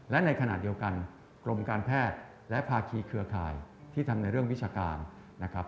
และในขณะเดียวกันกรมการแพทย์และภาคีเครือข่ายที่ทำในเรื่องวิชาการนะครับ